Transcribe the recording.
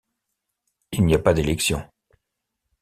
Il n'y a pas d'élections.